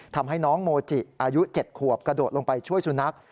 ทำให้น้องโมจิอายุ๗ขวบกระโดดลงไปช่วยสุนัข